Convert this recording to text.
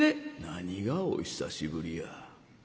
「何がお久しぶりや。